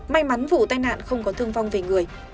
may mắn vụ tai nạn không có thương vong về người